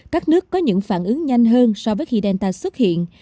các nước có những phản ứng nhanh hơn so với khi delta xuất hiện